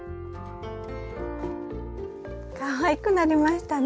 かわいくなりましたね。